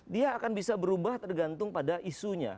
dia akan bisa berubah tergantung pada isunya